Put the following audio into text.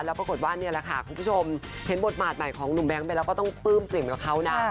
แล้วปรากฏว่านี่แหละค่ะคุณผู้ชมเห็นบทบาทใหม่ของหนุ่มแบงค์ไปแล้วก็ต้องปลื้มปริ่มกับเขานะ